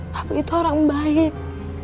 papi itu orang baik